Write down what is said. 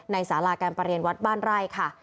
สาราการประเรียนวัดบ้านไร่ค่ะ